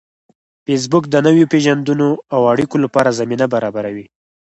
فېسبوک د نویو پیژندنو او اړیکو لپاره زمینه برابروي